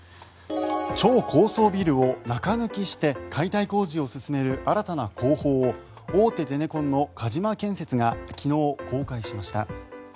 超高層ビルを中抜きして解体工事を進める新たな工法を大手ゼネコンの鹿島建設が昨日公開しました。